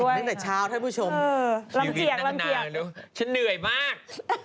แล้วอยู่ด้านประจำน้ำเข้าชั้นเหนื่อยมาก